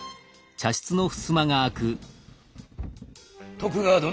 徳川殿。